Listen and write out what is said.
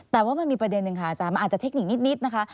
แต่ว่ามันมีประเด็นหนึ่งค่ะอาจารย์มันอาจจะเทคนิคนิดนะคะ